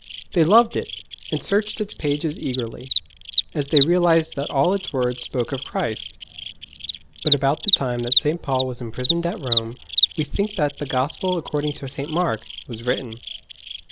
They loved it and searched its pages eagerly, as they realized that all its words spoke of Christ! But about the time that St. Paul was imprisoned at Rome we think that the Gospel according to St. Mark was written.